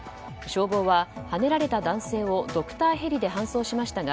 消防ははねられた男性をドクターヘリで搬送しましたが